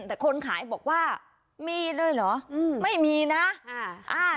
แต่คนขายบอกว่ามีเลยเหรออืมไม่มีนะอ่าอ่า